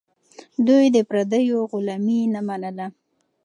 دوی د پردیو غلامي نه منله.